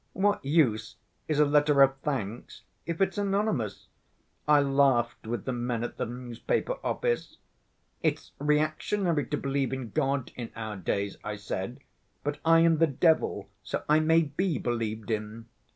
What use is a letter of thanks if it's anonymous? I laughed with the men at the newspaper office; 'It's reactionary to believe in God in our days,' I said, 'but I am the devil, so I may be believed in.